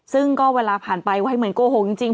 ซึ่งก็เวลาผ่านไปไว้เหมือนโกหกจริง